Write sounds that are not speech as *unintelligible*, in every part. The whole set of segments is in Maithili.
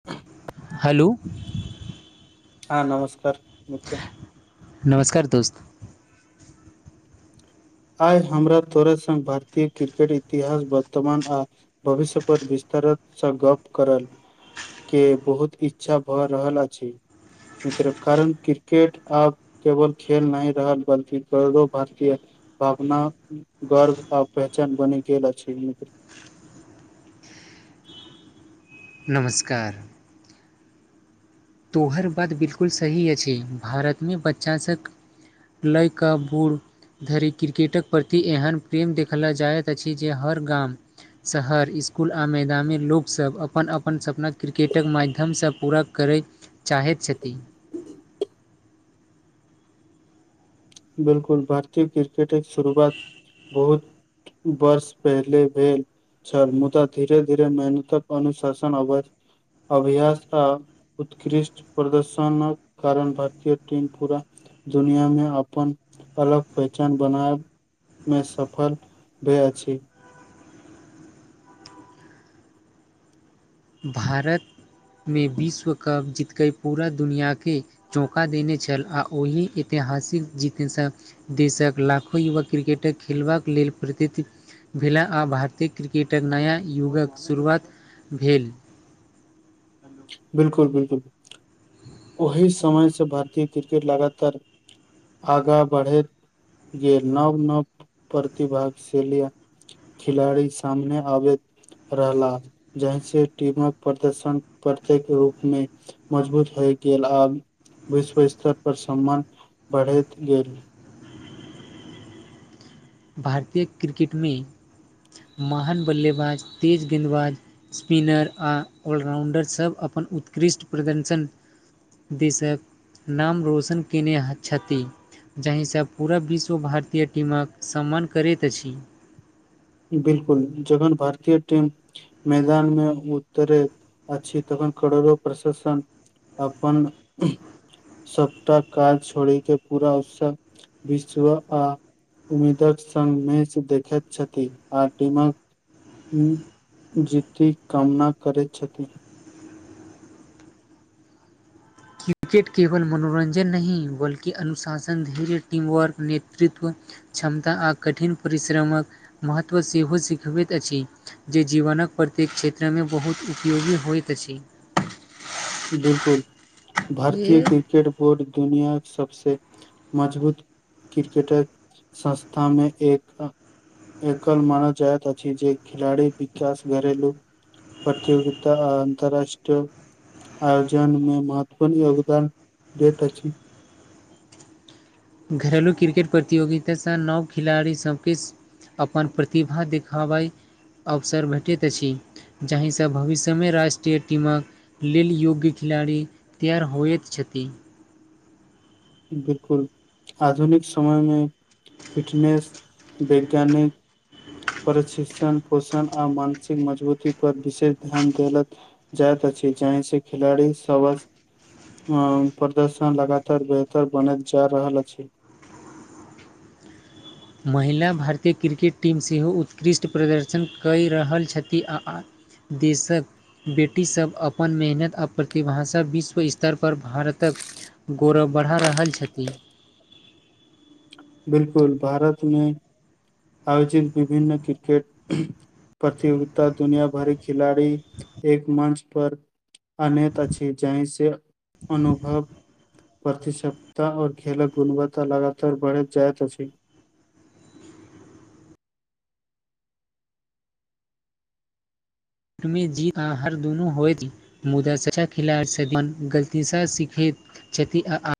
ह *inaudible* हेलो हँ नमस्कार मित्र नमस्कार दोस्त आइ हमरा तोरत संग भारतीय क्रिकेट इतिहास वर्तमान आ भविष्य पर विस्तार सँ गप करल के बहुत इच्छा भऽ रहल अछि मित्र कारण क्रिकेट आब केवल खेल नहि रहल बल्कि करोड़ो भारतीय भावना गर्व आ पहचान बनि गेल अछि मित्र नमस्कार तोहर बात बिलकुल सही अछि भारत में बच्चासभ लै क बूढ़ धरि क्रिकेटक प्रति एहन प्रेम देखल जाइत अछि जे हर गाम शहर इसकुल आ मैदानमे लोकसभ अपन अपन सपना कि्रिकेटके माध्यमसँ पूरा करैत चाहैत छथि बिलकुल भारतीय क्रिकेटक शुरुआत बहुत वर्ष पहिले भेल छल मुदा धीरे धीरे मेनतक अनुशासन अ अभ्यास आ उत्कृष्ट प्रदर्शनक कारण भारतीय टीम पूरा दुनिया में अपन अलग पहचान बनाब मे सफल भे अछि भारतमे विश्व कप जीतकेे पूरा दुनिआके चौका देने छल आ ओहि ऐतिहासिक जीतने सँ देशक लाखो युवा क्रिकेटक खेलबाक लेल प्रतिति भेलाह आ भारतीय क्रिकेटक नया युगक शुरुआत भेल बिलकुल बिलकुल ओहि समय से भारतीय क्रिकेट लगातार आगा बढ़ैत गेल नव नव प्रतिभाक सेेलिया खिलाड़ी सामने आबैत रहला जहिस टीमक प्रदर्शन प्रत्येक रूपमे मजबूत होय गेल आब विश्व स्तर पर सम्मान बढ़ैत गेल भारतीय क्रिकेट में महान बल्लेबाज तेज गेदबाज स्पिनर आ ऑलराउं्डर सभ अपन उत्कृष्ट प्रदर्शन दिशक नाम रौशन कयने छथि जाहिसँ पूरा विश्व भारतीय टीमक सम्मान करैत अछि बिलकुल जखन भारतीय टीम मैदान मे उतरे अछि तखन करोरो प्रशासन अपन सबपटा काज छोड़िक के पूरा उत्साह विश्व आ उम्मीदक संग मेच देखैत छथि आ टीमक जीती कामना करैत छथि क्रिकेट केवल मनोरञ्जन नहि बल्कि अनुशासन धैर्य टीम वर्क नेतृत्व क्षमता आ कठिन परिश्रमक महत्व सेहो सिखबैत अछि जे जीवनक प्रत्येक क्षेत्रमे बहुत उपयोगी होइत अछि बिलकुल भारतीय क्रि क्रिकेट बोर्ड दुनियाक सबसे मजबूत क्रिकेटर संस्था मे एक एकल मानवजायात अछिथ जे खिलड़ी विकास करेलू प्रतियोगिता आ अन्तर्राष्ट्रीय आयोजन मे महत्वपूर्ण योगदान दैत अछि घरेलु क्रिकेट प्रतियोगिता संग नव खेलाड़ी सबके अपन प्रतिभा देखाबय अवसर भेटैत अछि जाहि सँ भविष्यमे राष्ट्रीय टीमक लेल योग्य खिलाड़ी तैयार होइत छथि बिलकुल आधुनिक समय मे फिटनेस वैज्ञानिक प्रशिक्षण पोषण आर मानसिक मजबूती पर विशेष ध्यान देलत जाइत अछि जाहि से खेलड़ी प्रदर्शन लगातार तार बनल जा रहल अछि महिला भारतीय क्रिकेट टीम सेहो उत्कृष्ट प्रदर्शन कऽ रहल छथि आ देसक बेटी सब अपन मेहनत आ प्रतिभाषा विश्व स्तरपर भारतक गौरव बढ़ा रहल छथिन बिलकुल भारत में आयोजित विभिन्न क्रिकेट प्रतियोगित दुनिया भरि खिलाड़ी एक मञच पर अनेैत अछि जहि से अनुभव प्रतिस्त आ खेलक गुणवत्ता लगातार बढ़ैत जाइत अछि तमे जीत कहाँ हर दुनू होइ ती मुदा सचा खिलाड़ी गलतीसँ सीखैत छथि आ आ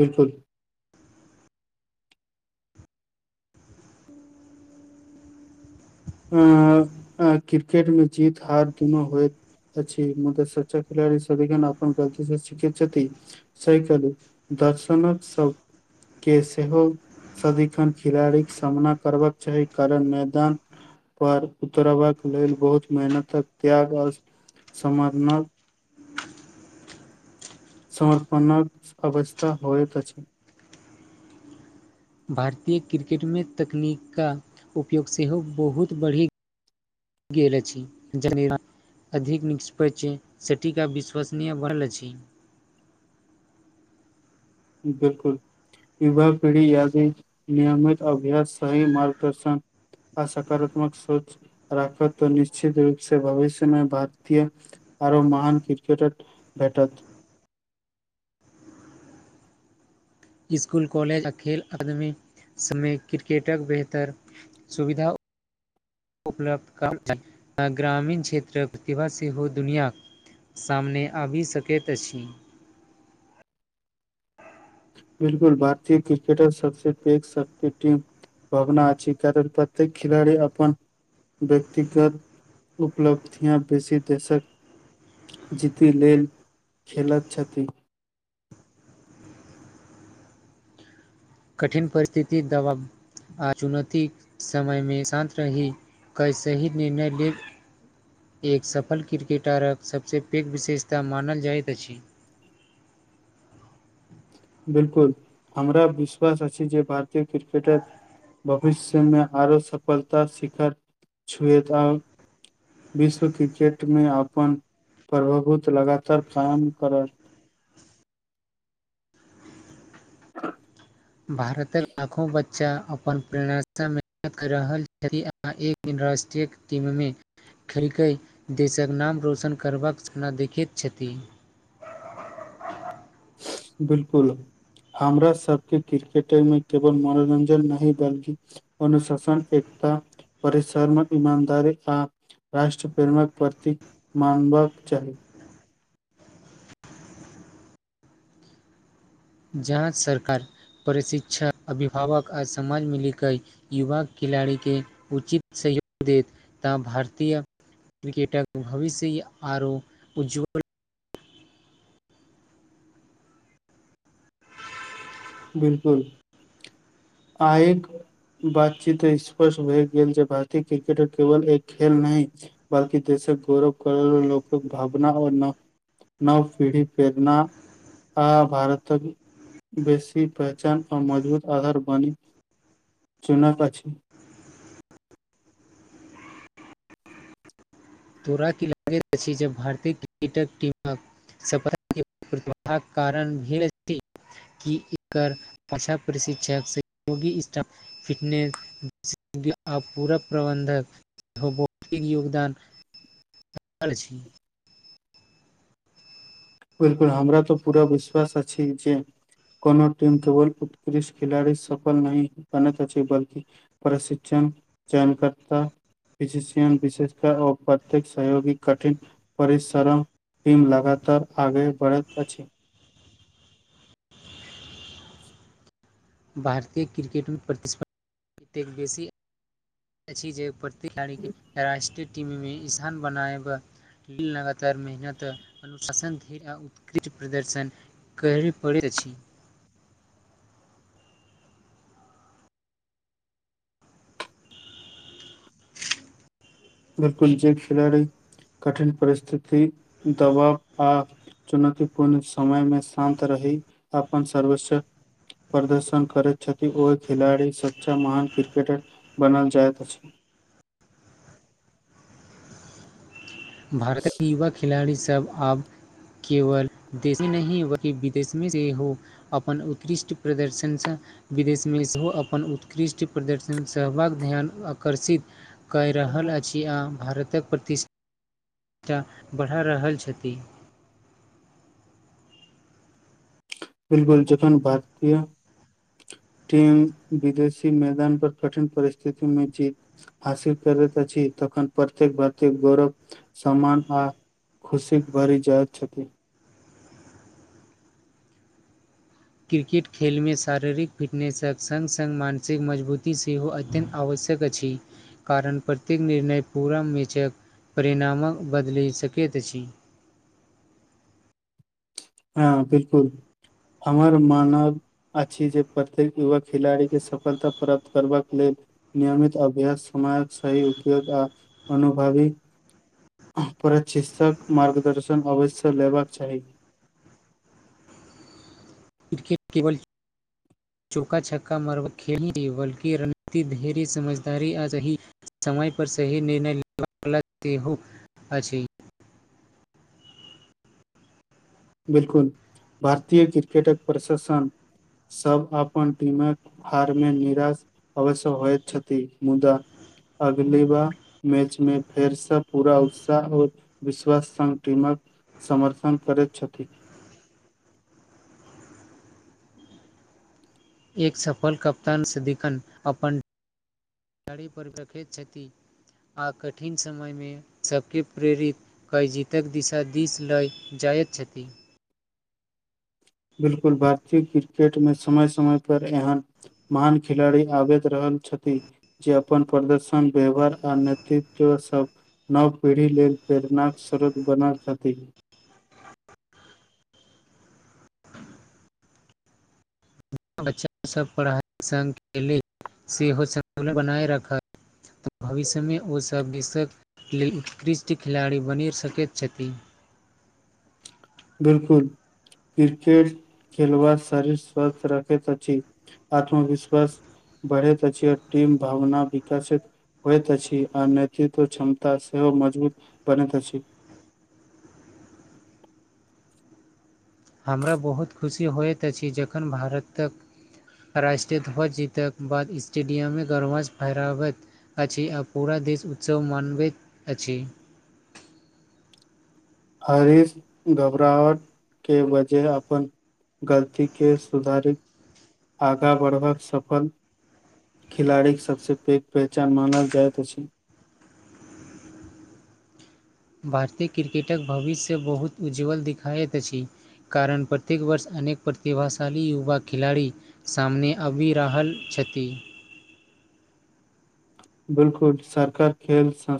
बिलकुल अ क्रिकेट मे जीत हार दुनू होइत अ म तऽ स्वच्चा खिलड़ी सद अपन गतीसँ शख *inaudible* सही कहलू दर्शनक सब के सेहो सदिखन खिलाड़ी के सामना करबाक चाही कारण मैदान पर उतरबाक लेल बहुत मेहनतक त्याग आ समाधानक समर्पणक अवस्था होइत अछि भारतीय क्रिकेटमे तकनीकक उपयोग सेहो बहुत बढ़ी गेल अछि *unintelligible* अधिक निष्प छै सेटीका विश्वसनीय बढ़ल अछि बिलकुल यवा पीढ़ी यादी नियमित अभ्यास सही मार्गदर्शन आ सकारात्मक सोच राखत तऽ निश्चित रूप से भविष्यमे भारतीय आरो महान क्रिकेटर भेटत स्कूल कॉलेज आ खेल अदमी सममे क्रिकेटक बेहतर सुविधा उपलब्ध कर ग्रामीण क्षेत्र प्रतिभाशी सेहो दुनिया सामने आबि सकैत अछि बिलकुल भारतीय क्रिकेटर सबसे पैघ टीम भावना अछि कारण प्रत्येक खिलाड़ी अपन व्यक्तिगत उपलब्धिया बेसी देशक जीति लेल खेलत छथि कठिन परिस्थिति दबा आ चुनौती समय मे शान्त रही कई शहीद निर्णय लेल एक सफल क्रिकेटरक सबसँ पैघ विशेषता मानल जाइत अछि बिलकुल हमरा विश्वास अछि जे भारतीय क्रिकेटर भविष्यमे आरो सफलता शिखर छुएता आओर विश्व क्रिकेट मे अपन प्रभभुत लगातार कायम करल भारतक लाखो बच्च बच्चा अपन प्रेरणासँ मेहनत क रहल छथि आ एक इन्र्राष्ट्रीय टीम मे खेलकै देशक नाम रोशन करबाक सपना देखैत छथि बिलकुल हमरा सबके क्रिकेटे मे केवल मनोरंजन नहि बल्कि अनुशासन एकता परिसरम इमानदारी आ राष्ट्र प्रेमक प्रतिक मानबाक चाही जहाँ सरकार प्रशिक्षक अभिभावक आ समाज मिलिक युवा खेलाड़ी के उचित सहयोग देत तऽ भारतीय क्रिकेटर भविष्य आरो उज्ज्वल बिलकुल आयक बातचीत स्पष्ट भए गेल जे भारतीय क्रिकेट केवल एक खेल नहि बल्कि देशक गौरव कर लोकक भावना ओ न नव पीढ़ी प्रेरना आ भारतक बेस पहचान आ मजबूत आधार बनी चुनत अछि तोड़ा की लागैत अछि जब भारतीय क्रिकटक टीमक सपत प्रतिभा कारण भीड़ी कि एकर भछा प्रशिक्षक स योगी स्टा फिटनेस अपू प्रबन्धकौतिक योगदान छी बिलकुल हमरा तऽ पूरा विश्वास अछि जे कोनो ीम केवल उतकृष् खिलड़ी सफल नहि बनैत अछि बल्कि प्रशिक्षण चयनकर्ता फजिशियन विशेषकर आ प्रत्येक सहयोगी कठिन परिश्रम टीम लगातार आगे बढ़ैत अछि भारतीय क्रिकेटमे प्रतिस्पर्धा एतेक बेसी अछि जे खेलाड़ी राष्ट्रीय टीम मे स्थान बनायब लगातार मेहनत अनुशासन आ उत्कृष्ट प्रदर्शन करय पड़ैत अछि बिलकुल जे खिलाड़ी कठिन परिस्थिति दबाव आ चुनौतीपूर्ण समय मे शान्त रहि अपन सर्वोच्च प्रदर्शन करैत छथि ओहि खिलड़ी सच्चा महान क्रिकेटर बनल जाइत अछि भारतीय युवा खेलाड़ी सब आब केवल देश ही नहि बलकि विदेश में सेहो अपन उत्कृष्ट प्रदर्शनसँ विदेश में सेहो अपन उत्कृष्ट प्रदर्शन सेबाक ध्यान आकर्षित कऽ रहल अछि आ भारतक प्रतिष्ठ बढ़ा रहल छथि बिलकुल जखन भारतीय टीम विदेशी मैदान पर कठिन परिस्थिति में जीत हासिल करैत अछि छी तखन प्रत्येक भरतीय गौरव सम्मान आ खुशी भरी जाइत छथि क्रिकेट खेलमे शारीरिक फिटनेसक संग संग मानसिक मजबूती सेहो अत्यन्त आवश्यक अछि कारण प्रत्येक निर्णय पूरा मेचक परिणामक बदलि सकैत अछि हँ बिलकुल हमर मानब अछि जे प्रत्येक युवा खेलाड़ी के सफलता प्राप्त करबाक लेल नियमित अभ्यस समय सही उद्योग आ अनुभवी प्रचिकित्सक मार्गदर्शन अवश्य लेबाक चाही क्रिकेट केवल चौका छका मारब खेल नहि बल्कि रणनीति ढेरी समझदारी आ समय पर सही निर्णय ले अछि बिलकुल भारतीय क्रिकेटक प्रशासन सब अपन टीमक हार मे निराश अवश्य होइ छथि मुदा अगली बार मैच मे फेरसँ पूरा उत्साह ओर विश्वास संग टीम क समर्थन करै छथि एक सफल कप्तान सिदिखन अपन खिलाड़ी पर रखैत छथि आ कठिन समयमे सबके प्रेरित कै जीतक दिशा दिस लऽ जाइत छथि बिलकुल भारतीय क्रिकेट मे समय समय पर एहन महान खिलाड़ी आब रहल छथि जे अपन प्रदर्शन व्यवहार आ नेतृत्व सब नव पीढ़ी लेल प्रेरणाक स्रोत बनल छथि बच्चा सभ पढ़ाइ संघ लेल सेहो संतुलन बनाए राखथ भविष्यमे ओ सभ विश्वक लेल उत्कृष्ट खिलाड़ी बनि सकैत छथि बिलकुल क्रिकेट खेलबा शरीर स्वस्थ रखैत अछि आत्मविश्वास बढ़ैत अछि आओर टीम भावना विकसित होइत अछि आर नेतृत्व क्षमता सेहो मजबूत बनैत अछि हमरा बहुत खुशी होइत अछि जखन भारतक राष्ट्रीय ध्वज जीतके बाद स्टेडियममे गर्व सँ फहरावत अछि आओ पूरा देश उत्सव मनबैत अछि हरीश घबरावट के वजह से अपने गलती के सुधारित आगाँ बढ़बाक सफल खिलाड़ी के सबस पैघ पहचान मानल जायइत अछि भारतीय क्रिकेटके भविष्य बहुत उज्ज्वल देखाइत अछि कारण प्रत्येक वर्ष अनेक प्रतिभाशाली युवा खिलाड़ी सामने आबि रहल छथि बिलकुल सरकार खेल सं